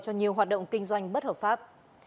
cho nhiều hoạt động kinh doanh bất hợp pháp